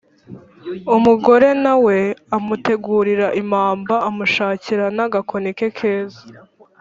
umugore na we amutegurira impamba amushakira, n’agakoni ke keza